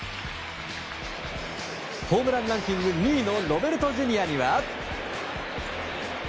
ホームランランキング２位のロベルトＪｒ．には。